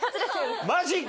マジか！